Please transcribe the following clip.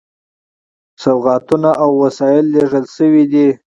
سوغاتونه او وسایل لېږل شوي دي.